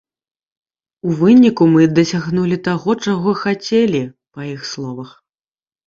У выніку мы дасягнулі таго, чаго хацелі, па іх словах.